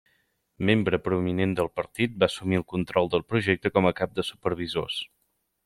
Membre prominent del partit, va assumir el control del projecte com a cap de supervisors.